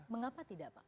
mengapa tidak pak